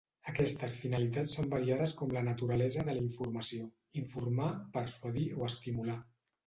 Aquestes finalitats són variades com la naturalesa de la informació—informar, persuadir o estimular.